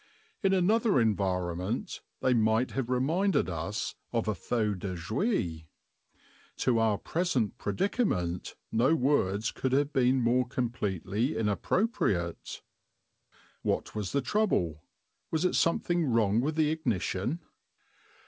In another environment they might have reminded us of a feu de joie; to our present predicament no words could have been more completely inappropriate. What was the trouble? Was it something wrong with the ignition?